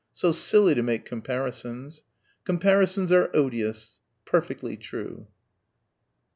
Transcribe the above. So silly to make comparisons. "Comparisons are odious." Perfectly true.